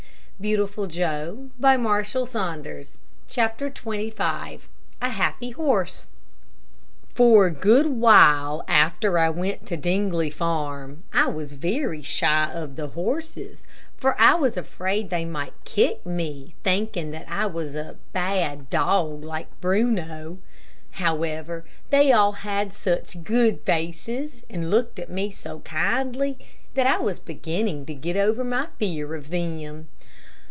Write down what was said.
That is the reason." CHAPTER XXV A HAPPY HORSE For a good while after I went to Dingley Farm I was very shy of the horses, for I was afraid they might kick me, thinking that I was a "bad dog" like Bruno. However, they all had such good faces, and looked at me so kindly, that I was beginning to get over my fear of them.